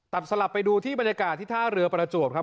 สลับไปดูที่บรรยากาศที่ท่าเรือประจวบครับ